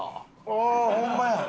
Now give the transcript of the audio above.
ああホンマやん。